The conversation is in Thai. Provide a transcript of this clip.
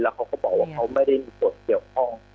เขาก็บอกว่าเขาไม่ได้มีส่วนเกี่ยวข้อง